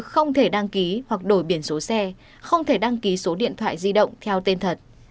không thể đăng ký hoặc đổi biển số xe không thể đăng ký số điện thoại di động theo tên thật